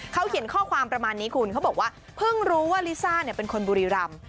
เขาเขียนข้อความประมาณนี้คุณเขาบอกว่าเพิ่งรู้ว่าลิซ่าเป็นคนบุรีรำ